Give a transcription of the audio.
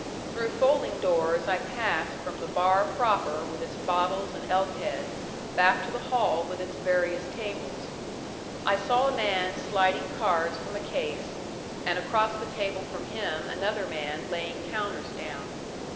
Through folding doors I passed from the bar proper with its bottles and elk head back to the hall with its various tables. I saw a man sliding cards from a case, and across the table from him another man laying counters down.